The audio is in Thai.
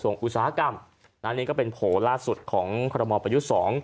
นั้นนี่ก็เป็นโผล่าสุดของประมอบประยุทธิ์๒